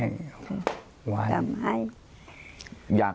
ตอบให้